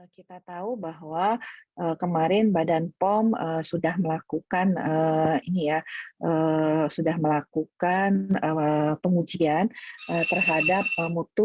kita tahu bahwa kemarin badan pom sudah melakukan pengujian terhadap mutu